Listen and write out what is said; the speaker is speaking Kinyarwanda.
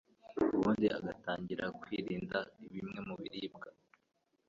ubundi agatangira kwirinda bimwe mu biribwa